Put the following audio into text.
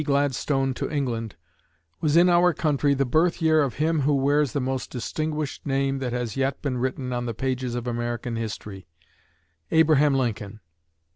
Gladstone to England was in our country the birth year of him who wears the most distinguished name that has yet been written on the pages of American history ABRAHAM LINCOLN.